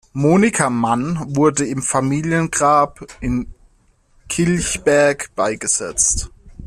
Monika Mann wurde im Familiengrab in Kilchberg beigesetzt.